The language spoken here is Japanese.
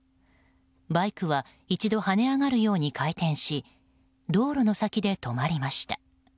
バイクは一度跳ね上がるように回転し道路の先で止まりました。